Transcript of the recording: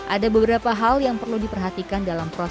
ada beberapa hal yang perlu diperhatikan dalam proses